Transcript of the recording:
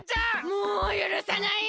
もうゆるさない！